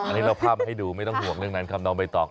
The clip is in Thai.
อันนี้เราพร่ำให้ดูไม่ต้องห่วงเรื่องนั้นครับน้องใบตอง